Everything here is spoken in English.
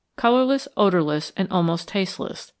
Colourless, odourless, and almost tasteless.